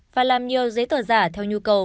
và làm nhiều giấy tờ giả theo nhu cầu